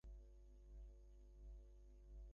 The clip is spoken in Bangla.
অনেকদিনের পরে স্বামীস্ত্রীর পুনর্মিলন হইল।